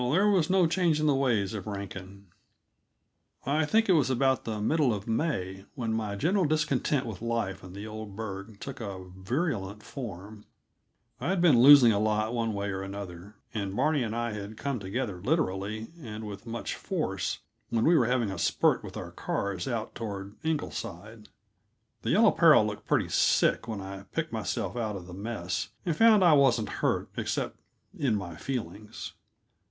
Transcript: Oh, there was no changing the ways of Rankin. I think it was about the middle of May when my general discontent with life in the old burgh took a virulent form. I'd been losing a lot one way and another, and Barney and I had come together literally and with much force when we were having a spurt with our cars out toward Ingleside. The Yellow Peril looked pretty sick when I picked myself out of the mess and found I wasn't hurt except in my feelings.